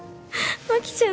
真紀ちゃん